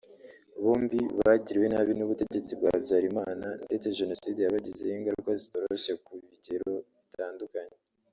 Bombi bagiriwe nabi n’ubutegetsi bwa Habyarimana ndetse Jenoside yabagizeho ingaruka zitoroshye ku bigero bitandukanye